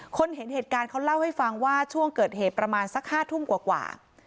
เห็นเหตุการณ์เขาเล่าให้ฟังว่าช่วงเกิดเหตุประมาณสัก๕ทุ่มกว่า